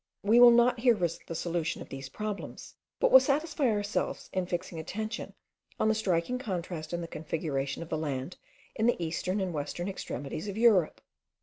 We will not here risk the solution of these problems, but will satisfy ourselves in fixing attention on the striking contrast in the configuration of the land in the eastern and western extremities of Europe.